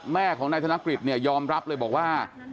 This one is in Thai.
แม่ของนายธนกฤษเนี่ยยอมรับเลยบอกว่า